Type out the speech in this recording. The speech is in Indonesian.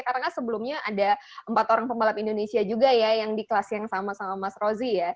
karena sebelumnya ada empat orang pembalap indonesia juga ya yang di kelas yang sama sama mas rozzi ya